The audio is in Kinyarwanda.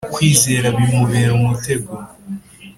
Kwigenzura a bimubera umutego